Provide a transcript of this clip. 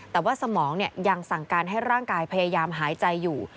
แต่ว่าสมองยังสั่งการให้ร่างกายพยายามหายใจอยู่